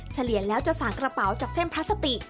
เฉลี่ยแล้วจะสั่งกระเป๋าจากเส้นพลาสติก